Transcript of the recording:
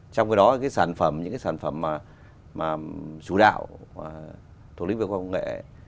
trong cái đó những cái sản phẩm chủ đạo thuộc lĩnh vực khoa học và công nghệ